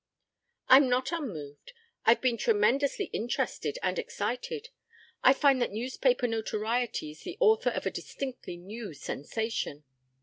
"I'm not unmoved. I've been tremendously interested and excited. I find that newspaper notoriety is the author of a distinctly new sensation."